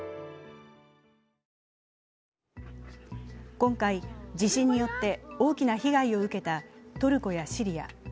今回、地震によって大きな被害を受けたトルコやシリア。